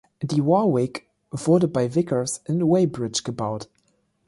Die Warwick wurde bei Vickers in Weybridge gebaut.